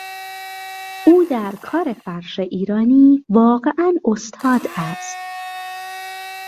او در کار فرش ایرانی واقعا استاد است.